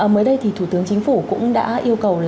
mới đây thì thủ tướng chính phủ cũng đã yêu cầu